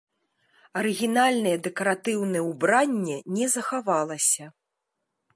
Арыгінальнае дэкаратыўнае ўбранне не захавалася.